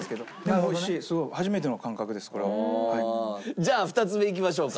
じゃあ２つ目いきましょうか。